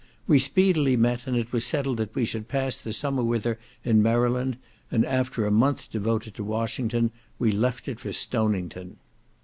We speedily met, and it was settled that we should pass the summer with her in Maryland, and after a month devoted to Washington, we left it for Stonington.